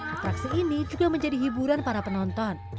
atraksi ini juga menjadi hiburan para penonton